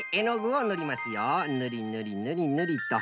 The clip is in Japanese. ぬりぬりぬりぬりと。